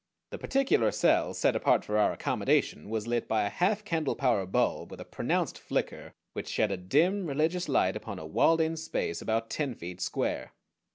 The particular cell set apart for our accommodation was lit by a half candlepower bulb with a pronounced flicker, which shed a dim, religious light upon a walled in space about ten feet square.